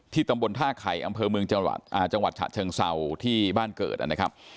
ตำบลท่าไข่อำเภอเมืองจังหวัดฉะเชิงเศร้าที่บ้านเกิดนะครับ